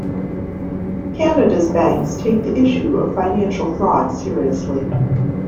Canada's banks take the issue of financial fraud seriously.